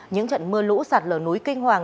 những trận mưa lũ sạt lở núi kinh hoàng